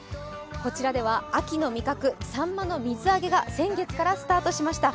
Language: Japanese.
こちらでは秋の味覚さんまの水揚げが先月からスタートしました。